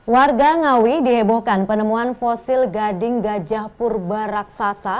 warga ngawi dihebohkan penemuan fosil gading gajah purba raksasa